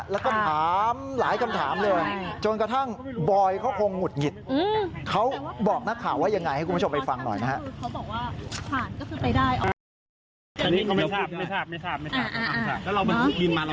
แล้วก็ถามหลายคำถามเลยจนกระทั่งบอยเขาคงหุดหงิดเขาบอกนักข่าวว่ายังไงให้คุณผู้ชมไปฟังหน่อยนะครับ